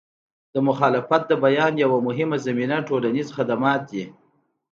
د مخالفت د بیان یوه مهمه زمینه ټولنیز خدمات دي.